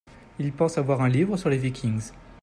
il pense avoir un livre sur les Vikings.